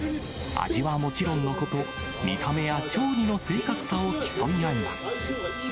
味はもちろんのこと、見た目や調理の正確さを競い合います。